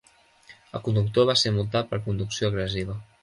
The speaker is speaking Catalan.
El conductor va ser multat per conducció agressiva.